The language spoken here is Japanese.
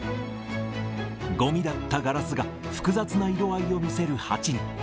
ごみだったガラスが複雑な色合いを見せる鉢に。